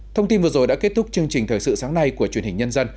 thông tin vừa rồi đã kết thúc chương trình thời sự sáng nay của truyền hình nhân dân